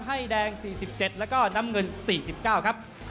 ให้แดง๔๗แล้วก็น้ำเงิน๔๙ครับ